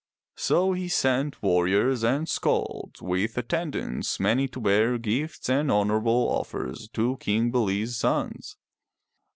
So he sent warriors and skalds with attendants many to bear gifts and honorable offers to King Bele's sons.